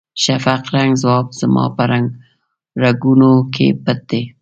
شفق رنګه ځواب زما په رګونو کې پټ دی.